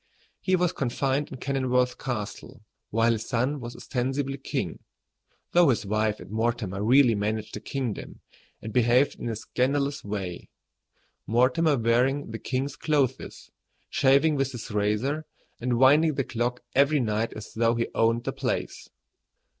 He was confined in Kenilworth Castle, while his son was ostensibly king, though his wife and Mortimer really managed the kingdom and behaved in a scandalous way, Mortimer wearing the king's clothes, shaving with his razor, and winding the clock every night as though he owned the place.